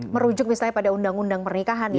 merujuk misalnya pada undang undang pernikahan ya